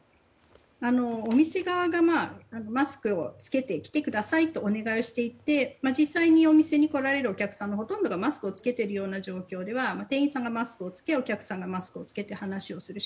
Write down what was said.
お店側がマスクを着けてきてくださいとお願いをしていて実際にお店に来られるお客さんのほとんどがマスクを着けているような状況では店員さんがマスクを着けお客さんがマスクを着けて話をする。